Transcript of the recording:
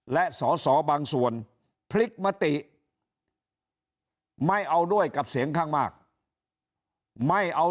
และสอสอบางส่วนพลิกมติไม่เอาด้วยกับเสียงข้างมากไม่เอา